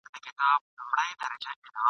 ناسیاله دی که سیال دی زموږ انګړ یې دی نیولی !.